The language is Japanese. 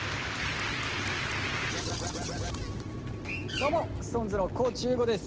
どうもＳｉｘＴＯＮＥＳの地優吾です。